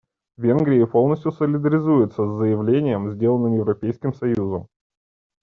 Венгрии полностью солидаризируется с заявлением, сделанным Европейским союзом.